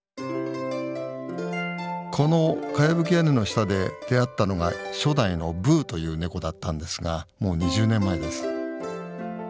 このかやぶき屋根の下で出会ったのが初代のブーというネコだったんですがもう２０年前です。